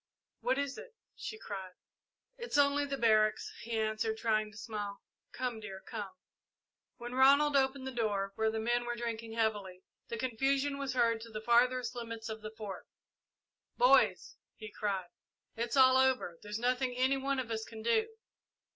"What is it?" she cried. "It's only the barracks," he answered, trying to smile. "Come, dear, come!" When Ronald opened the door, where the men were drinking heavily, the confusion was heard to the farthest limits of the Fort. "Boys," he cried, "it's all over there's nothing any one of us can do!"